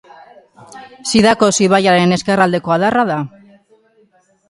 Zidakos ibaiaren ezkerraldeko adarra da.